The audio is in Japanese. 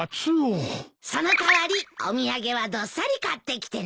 その代わりお土産はどっさり買ってきてね。